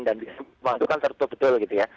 dan itu kan tertutup betul gitu ya